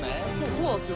そうなんすよ。